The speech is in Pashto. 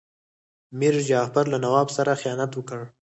میر جعفر له نواب سره خیانت وکړ.